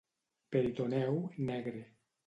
Peritoneu negre.